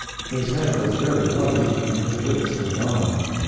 His head was very bloody and his wits were gone.